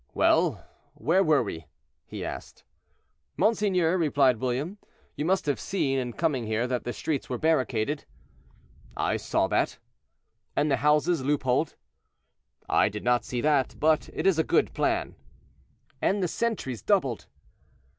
"Well, where are we?" asked he. "Monseigneur," replied William, "you must have seen, in coming here, that the streets were barricaded." "I saw that." "And the houses loopholed?" "I did not see that; but it is a good plan." "And the sentries doubled?"